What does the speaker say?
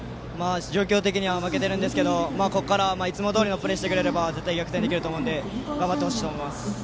状況的には負けていますがここからはいつもどおりのプレーをしてくれれば逆転できると思うので頑張ってほしいと思います。